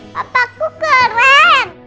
papa aku keren